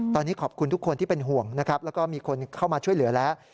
ตอนนี้ขอบคุณทุกคนที่เป็นห่วงนะครับแล้วก็มีคนเข้ามาช่วยเหลือแล้ว